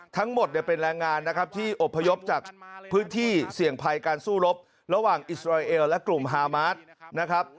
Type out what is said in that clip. ทั้งหมดเนี่ยเป็นแรงงานนะครับที่อบพยพจากพื้นที่เสี่ยงภัยการสู้รบระหว่างอิสราเอลและกลุ่มฮามาสนะครับ